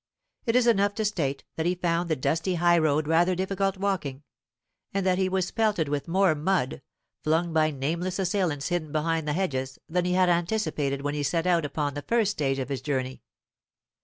It is enough to state that he found the dusty high road rather difficult walking, and that he was pelted with more mud, flung by nameless assailants hidden behind the hedges, than he had anticipated when he set out upon the first stage of his journey.